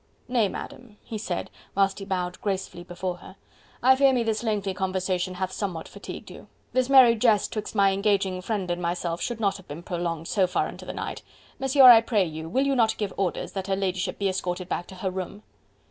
"Nay, Madam," he said, whilst he bowed gracefully before her, "I fear me this lengthy conversation hath somewhat fatigued you.... This merry jest 'twixt my engaging friend and myself should not have been prolonged so far into the night.... Monsieur, I pray you, will you not give orders that her ladyship be escorted back to her room?"